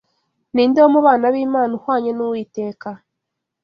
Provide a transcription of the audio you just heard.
Ni nde wo mu bana b’Imana uhwanye n’Uwiteka?